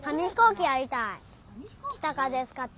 きたかぜつかって。